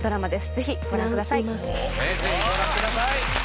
ぜひご覧ください。